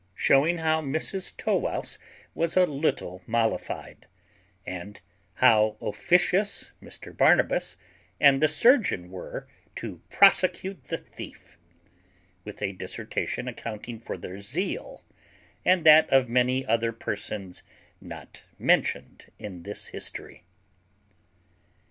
_Showing how Mrs Tow wouse was a little mollified; and how officious Mr Barnabas and the surgeon were to prosecute the thief: with a dissertation accounting for their zeal, and that of many other persons not mentioned in this history.